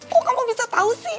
kok kamu bisa tahu sih